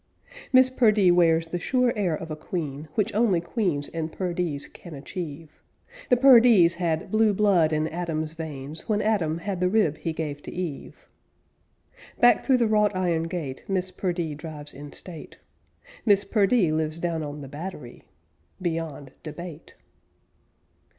Miss Perdee wears the sure air of a queen, Which only queens and Perdees can achieve. The Perdees had blue blood in Adam's veins When Adam had the rib he gave to Eve. Back through the wrought iron gate Miss Perdee drives in state. Miss Perdee lives down on the Battery! Beyond debate.